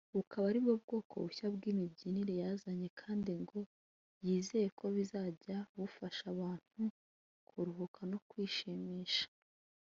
bukaba ari bwo bwoko bushya bw’imibyinire yazanye kandi ngo yizeye ko bizajya bufasha abantu kuruhuka no kwishimisha